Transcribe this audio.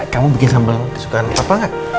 kamu bikin sambal yang disukain papa gak